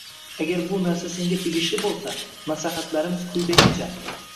Agar bu narsa senga tegishli bo‘lsa, maslahatlarimiz quyidagicha: